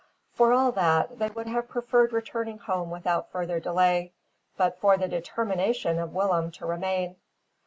For all that, they would have preferred returning home without further delay, but for the determination of Willem to remain.